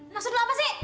maksud lu apa sih